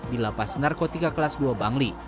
dilapas narkotika kelas dua bangli